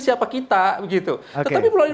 siapa kita gitu tetapi melalui